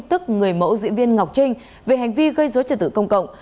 tức người mẫu diễn viên ngọc trinh về hành vi gây dối trị tử công cộng